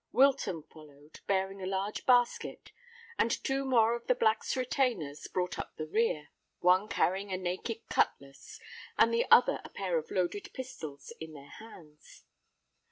Wilton followed, bearing a large basket; and two more of the Black's retainers brought up the rear, one carrying a naked cutlass and the other a pair of loaded pistols in their hands.